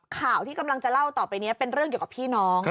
ข่าวที่กำลังจะเล่าต่อไปนี้เป็นเรื่องเกี่ยวกับพี่น้อง